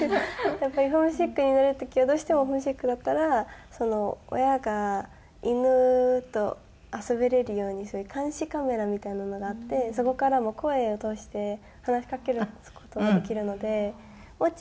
やっぱりホームシックになる時はどうしてもホームシックだったら親が犬と遊べるようにそういう監視カメラみたいなのがあってそこからも声を通して話しかける事ができるので「モチ！